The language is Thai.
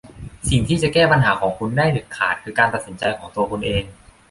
สิ่งที่จะแก้ปัญหาของคุณได้เด็ดขาดคือการตัดสินใจของตัวคุณเอง